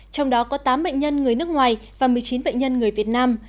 trong đó có tám bệnh nhân người nước ngoài và một mươi chín bệnh nhân người việt nam